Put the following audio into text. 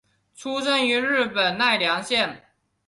出身于日本奈良县。